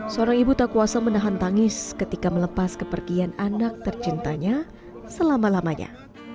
seorang ibu tak kuasa menahan tangis ketika melepas kepergian anak tercintanya selama lamanya